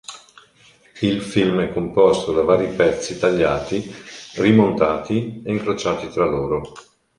Il film è composto da vari pezzi tagliati, rimontati e incrociati tra loro.